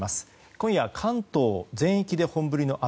今夜は関東全域で本降りの雨。